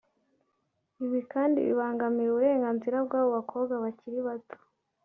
Ibi kandi bibangamira uburenganzira bw’abo bakobwa bakiri bato